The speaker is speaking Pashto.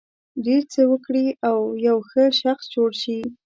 ډېر څه وکړي او یو ښه شخص جوړ شي.